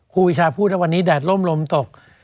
ครูปีชาพูดว่าวันนี้แดดล่มลมตก